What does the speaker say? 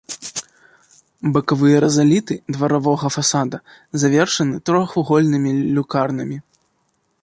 Бакавыя рызаліты дваровага фасада завершаны трохвугольнымі люкарнамі.